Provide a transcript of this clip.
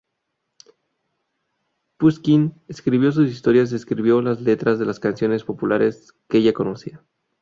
Pushkin escuchó sus historias, escribió las letras de las canciones populares que ella conocía.